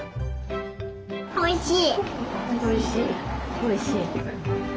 おいしい。